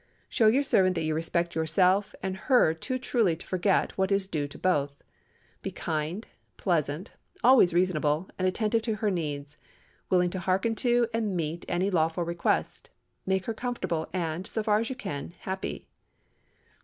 Show your servant that you respect yourself and her too truly to forget what is due to both. Be kind, pleasant, always reasonable and attentive to her needs, willing to hearken to and meet any lawful request. Make her comfortable, and, so far as you can, happy.